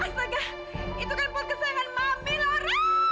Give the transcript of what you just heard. astaga itu kan buat kesayangan mami lor